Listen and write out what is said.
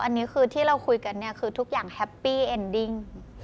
อันนี้คือที่เราคุยกันเนี่ยคือทุกอย่างแฮปปี้เอ็นดิ้ง